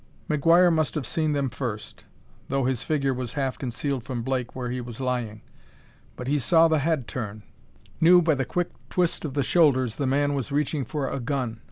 McGuire must have seen them first, though his figure was half concealed from Blake where he was lying. But he saw the head turn; knew by the quick twist of the shoulders the man was reaching for a gun.